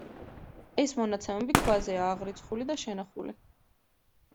ეს მონაცემები ქვაზეა აღრიცხულია და შენახული.